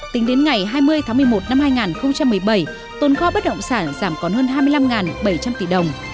tính đến ngày hai mươi tháng một mươi một năm hai nghìn một mươi bảy tồn kho bất động sản giảm còn hơn hai mươi năm bảy trăm linh tỷ đồng